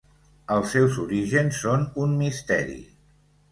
Els seus orígens són un misteri.